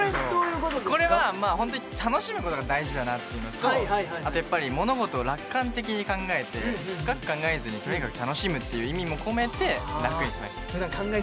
これは、本当に楽しむことが大事だなっていうのと物事を楽観的に考えて深く考えずに、とにかく楽しむっていうことを考えて楽という漢字に。